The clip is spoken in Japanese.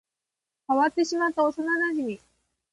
変わってしまった幼馴染